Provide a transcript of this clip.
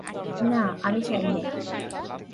না, আমি চাই নে।